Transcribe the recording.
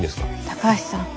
高橋さん